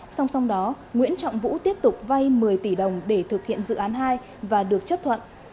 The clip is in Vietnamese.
song song đó nguyễn trọng vũ tiếp tục vay một mươi tỷ đồng để thực hiện dự án hai và được chấp thuận